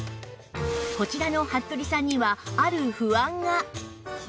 こちらの服部さんにはある不安が